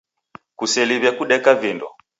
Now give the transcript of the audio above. Kuseliw'e kudeka vindo.